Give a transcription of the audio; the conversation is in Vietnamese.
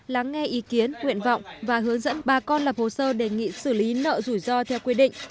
lắng nghe ý kiến nguyện vọng và hướng dẫn bà con lập hồ sơ đề nghị xử lý nợ rủi ro theo quy định